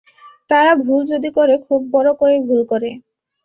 তারা ভুল যদি করে, খুব বড়ো করেই ভুল করে।